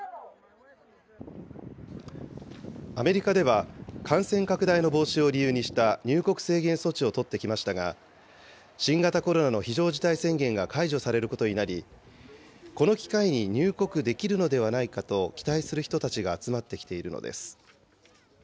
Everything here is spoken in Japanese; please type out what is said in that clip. アメリカでは、感染拡大の防止を理由にした入国制限措置を取ってきましたが、新型コロナの非常事態宣言が解除されることになり、この機会に入国できるのではないかと期待する人たちが集まってきているのです。